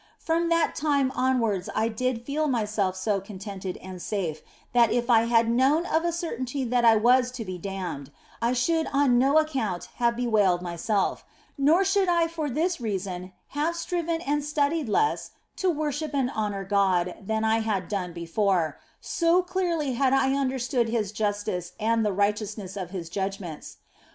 From that time onwards I did feel myself so contented and safe that if I had known of a certainty that I was to be damned, I should on no account have bewailed myself, nor should I for this reason have striven and studied less to worship and honour God than I had done before, so clearly had I understood His justice and the righteousness of His judgments.